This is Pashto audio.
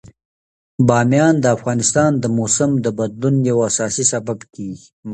بامیان د افغانستان د موسم د بدلون یو اساسي سبب کېږي.